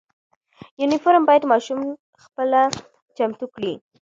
یونیفرم باید ماشوم خپله چمتو کړي.